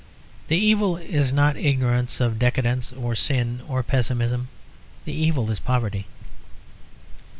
The evil is not ignorance or decadence or sin or pessimism; the evil is poverty.